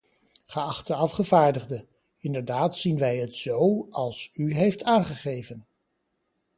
Geachte afgevaardigde, inderdaad zien wij het zo, als u heeft aangegeven.